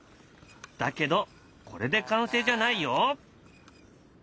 だけどこれで完成じゃないよ。